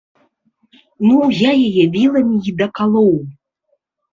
Ну, я яе віламі і дакалоў.